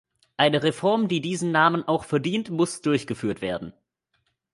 Eine Reform, die diesen Namen auch verdient, muss durchgeführt werden.